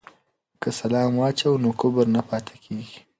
که سلام واچوو نو کبر نه پاتې کیږي.